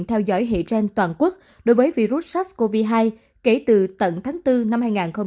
nam phi đã thực hiện theo dõi hệ trang toàn quốc đối với virus sars cov hai kể từ tận tháng bốn năm hai nghìn hai mươi